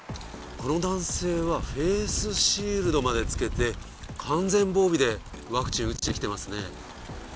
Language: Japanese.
この男性はフェースシールドまで着けて、完全防備でワクチン打ちに来てますね。